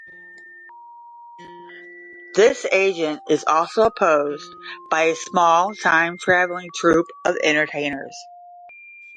This agent is also opposed by a small, time-traveling troupe of entertainers.